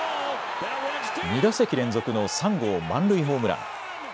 ２打席連続の３号満塁ホームラン。